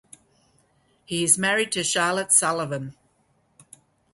He is married to Charlotte Sullivan.